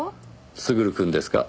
優くんですか？